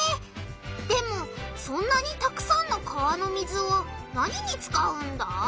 でもそんなにたくさんの川の水を何に使うんだ？